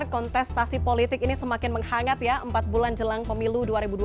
kontestasi politik ini semakin menghangat ya empat bulan jelang pemilu dua ribu dua puluh